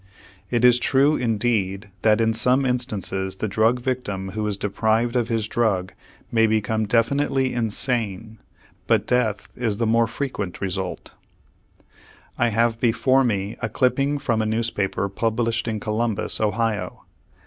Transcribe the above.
It is true, indeed, that in some instances the drug victim who is deprived of his drug may become definitely insane, but death is the more frequent result. I have before me a clipping from a newspaper published in Columbus, Ohio.